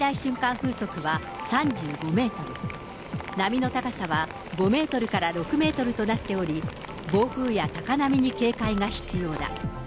風速は３５メートル、波の高さは５メートルから６メートルとなっており、暴風や高波に警戒が必要だ。